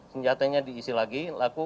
senjatanya diisi lagi